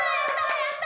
やったー！